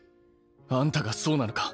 あんたがそうなのか？